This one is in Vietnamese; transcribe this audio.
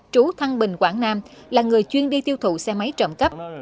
trú thăng bình quảng nam là người chuyên đi tiêu thụ xe máy trộm cắp